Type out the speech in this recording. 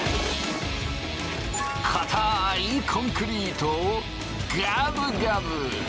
固いコンクリートをガブガブ！